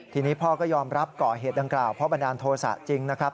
ทีนี้พ่อก็ยอมรับก่อเหตุดังกล่าวเพราะบันดาลโทษะจริงนะครับ